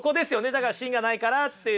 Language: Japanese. だから芯がないかなっていう。